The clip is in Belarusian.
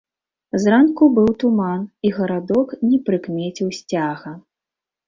Зранку быў туман, і гарадок не прыкмеціў сцяга.